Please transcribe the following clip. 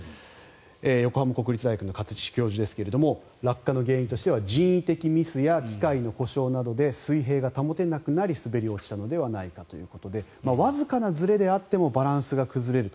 横浜国立大学の勝地教授ですが落下の原因としては人為的ミスや機械の故障などで水平が保てなくなり滑り落ちたのではないかということでわずかなずれであってもバランスが崩れると。